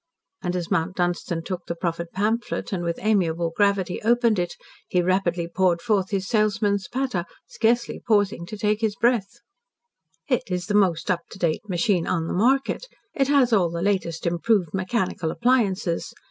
And as Mount Dunstan took the proffered pamphlet, and with amiable gravity opened it, he rapidly poured forth his salesman's patter, scarcely pausing to take his breath: "It's the most up to date machine on the market. It has all the latest improved mechanical appliances.